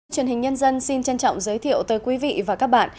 truyền hình nhân dân xin trân trọng giới thiệu tới quý vị và các bạn